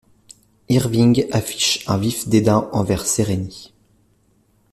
Irving affiche un vif dédain envers Sereny.